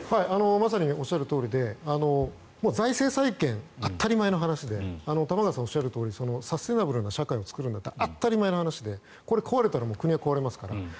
まさにおっしゃるとおりで財政再建、当たり前の話で玉川さんがおっしゃるとおりサステナブルな社会を作るのは当たり前の話で、これが壊れたら国が壊れますから。